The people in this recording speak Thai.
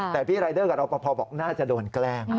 แต่พี่รายเดอร์กับรอปภบอกน่าจะโดนแกล้ง